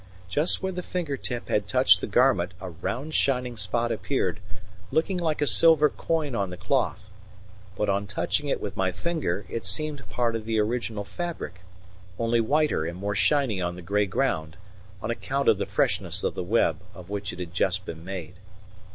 Just where the finger tip had touched the garment a round shining spot appeared, looking like a silver coin on the cloth; but on touching it with my finger it seemed part of the original fabric, only whiter and more shiny on the grey ground, on account of the freshness of the web of which it had just been made.